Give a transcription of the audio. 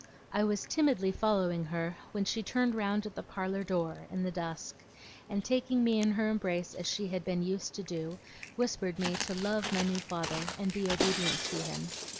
I was timidly following her, when she turned round at the parlour door, in the dusk, and taking me in her embrace as she had been used to do, whispered me to love my new father and be obedient to him.